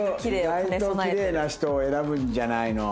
意外ときれいな人を選ぶんじゃないの。